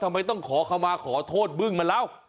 ไม่ต้องขอคำมาขอโทษเบื้องมาแล้ว